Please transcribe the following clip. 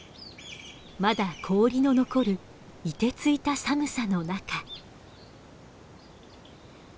まだ氷の残るいてついた寒さの中。